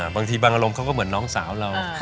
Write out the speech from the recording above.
บางทีบางอารมณ์เขาก็เหมือนน้องสาวเรา